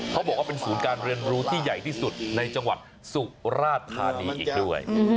เขาบอกว่าเป็นศูนย์การเรียนรู้ที่ใหญ่ที่สุดในจังหวัดสุราธานีอีกด้วย